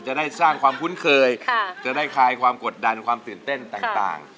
จะได้สร้างความคุ้นเคยจะได้คลายความกดดันความตื่นเต้นต่าง